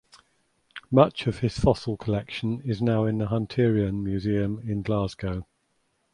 Much of his fossil collection is now in the Hunterian Museum in Glasgow.